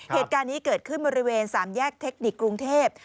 เหตุการณ์นี้เกิดขึ้นบริเวณ๓แยกเทคนิคกรุงเทพ